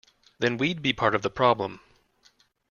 Then we’d be part of the problem.